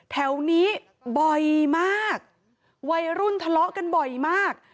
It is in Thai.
แถวนี้บ่อยมากวัยรุ่นทะเลาะกันบ่อยมาก